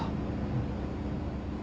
うん。